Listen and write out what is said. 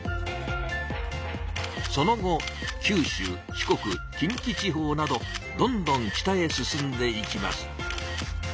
その後九州四国近畿地方などどんどん北へ進んでいきます。